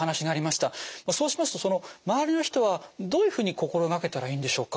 そうしますと周りの人はどういうふうに心掛けたらいいんでしょうか？